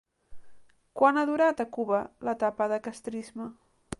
Quant ha durat a Cuba l'etapa de castrisme?